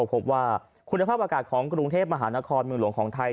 พบว่าคุณภาพอากาศของกรุงเทพมหานครเมืองหลวงของไทย